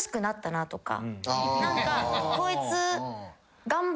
何かこいつ。